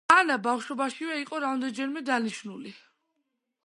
ანა ბავშვობაშივე იყო რამდენჯერმე დანიშნული.